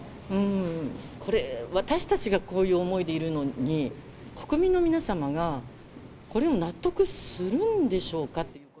これ、私たちがこういう思いでいるのに、国民の皆様が、これを納得するんでしょうか。